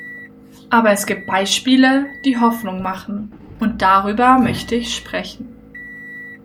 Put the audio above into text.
Aber es gibt Beispiele, die Hoffnung machen, und darüber möchte ich sprechen.